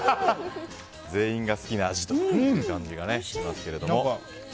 全員が好きな味という感じがしますけれども。